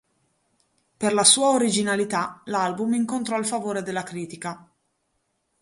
Per la sua originalità l'album incontrò il favore della critica.